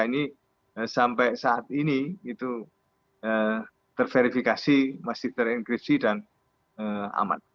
ini sampai saat ini itu terverifikasi masih terenkripsi dan aman